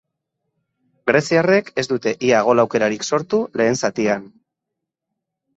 Greziarrek ez dute ia gol aukerarik sortu lehen zatian.